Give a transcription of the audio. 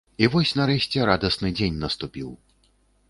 І вось нарэшце радасны дзень наступіў.